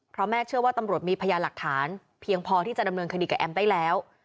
เพราะแม่เชื่อว่าตำรวจมีพยานหลักฐานเพียงพอที่จะดำเนินคดีกับแอมได้แล้ว